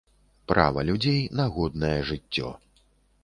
Права людзей на годнае жыццё.